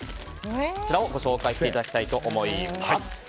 こちらを紹介していただきたいと思います。